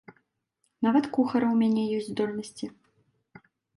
Нават кухара ў мяне ёсць здольнасці.